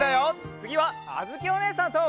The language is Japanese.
つぎはあづきおねえさんと！